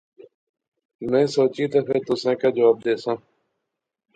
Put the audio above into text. میں سوچی تے فیر تساں کی جواب دیساں